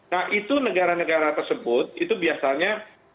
nah itu negara negara tersebut itu biasanya